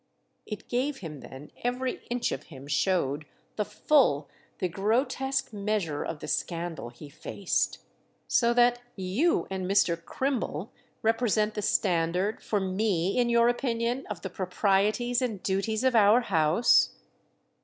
It gave him then, every inch of him showed, the full, the grotesque measure of the scandal he faced. "So that 'you and Mr. Crimble' represent the standard, for me, in your opinion, of the proprieties and duties of our house?"